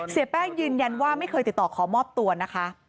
เสียแป้งยืนยันว่าไม่เคยติดต่อขอมอบตัวนะคะ